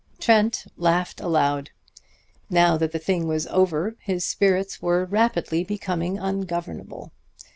Trent laughed aloud. Now that the thing was over his spirits were rapidly becoming ungovernable.